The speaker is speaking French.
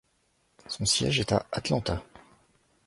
Son siège est à Atlanta.